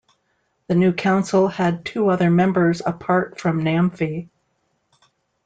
The new council had two other members apart from Namphy.